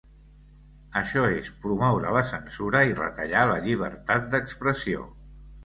Això és promoure la censura i retallar la llibertat d’expressió.